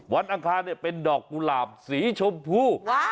วันอังคารเนี่ยเป็นดอกกุหลาบสีชมพู